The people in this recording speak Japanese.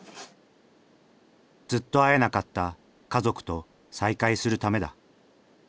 ずっと会えなかった家族と再会するためだ。